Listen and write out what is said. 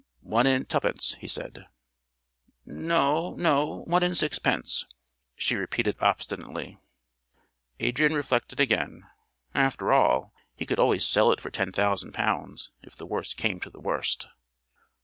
"One and tuppence," he said. "No, no, one and sixpence," she repeated obstinately. Adrian reflected again. After all, he could always sell it for ten thousand pounds, if the worst came to the worst.